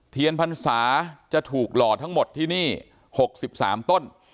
เทียนพรรษาจะถูกหล่อทั้งหมดที่นี่๖๓ต้น